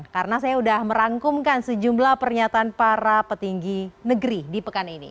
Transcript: karena saya sudah merangkumkan sejumlah pernyataan para petinggi negeri di pekan ini